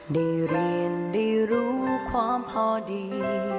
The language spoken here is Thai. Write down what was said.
ได้เรียนได้รู้ความพอดี